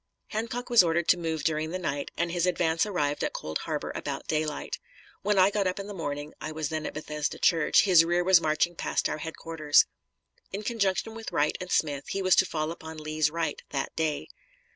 Hancock was ordered to move during the night, and his advance arrived at Cold Harbor about daylight. When I got up in the morning I was then at Bethesda Church his rear was marching past our headquarters. In conjunction with Wright and Smith, he was to fall upon Lee's right that day.